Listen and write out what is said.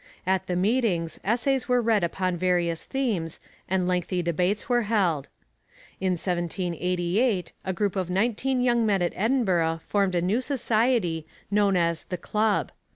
At the meetings essays were read upon various themes and lengthy debates were held. In 1788 a group of nineteen young men at Edinburgh formed a new society known as 'The Club.'